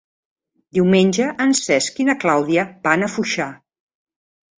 Diumenge en Cesc i na Clàudia van a Foixà.